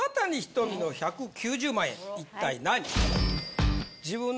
一体何？